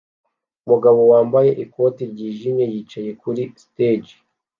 Umugabo wambaye ikoti ryijimye yicaye kuri stage